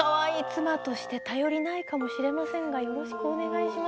「妻として頼りないかもしれませんがよろしくお願いします」だって。